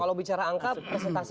kalau bicara angka presentasi